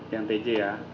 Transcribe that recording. yang tg ya